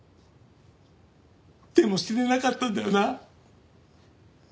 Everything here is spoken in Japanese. でも死ねなかったんだよな。